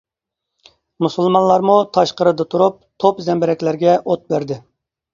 مۇسۇلمانلارمۇ تاشقىرىدا تۇرۇپ توپ-زەمبىرەكلەرگە ئوت بەردى.